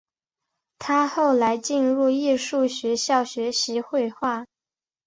他后来进入艺术学校学习绘画。